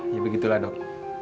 ya begitulah dok